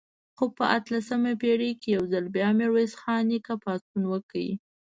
خو په اتلسمه پېړۍ کې یو ځل بیا میرویس خان نیکه پاڅون وکړ.